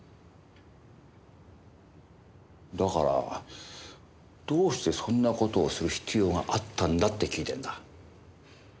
だからどうしてそんな事をする必要があったんだって聞いてんだ。